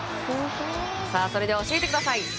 それでは教えてください。